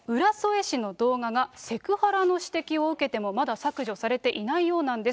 沖縄県の浦添市の動画が、セクハラの指摘を受けてもまだ削除されていないようなんです。